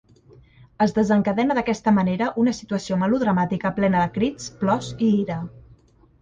Es desencadena d'aquesta manera una situació melodramàtica plena de crits, plors i ira.